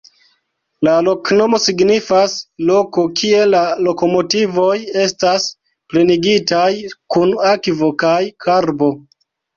La loknomo signifas: loko, kie la lokomotivoj estas plenigitaj kun akvo kaj karbo.